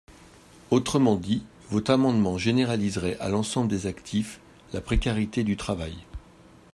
Autrement dit, votre amendement généraliserait à l’ensemble des actifs la précarité du travail.